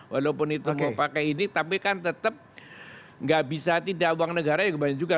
walaupun itu mau pakai ini tapi kan tetap gak bisa tidak uang negara juga